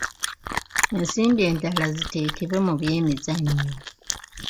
Ensimbi endala ziteekebwe mu by'emizannyo.